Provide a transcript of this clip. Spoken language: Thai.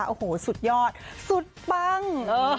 โอ้โหสุดยอดสุดปัง